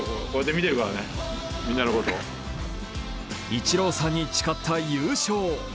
イチローさんに誓った優勝。